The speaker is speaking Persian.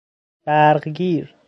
برقگیر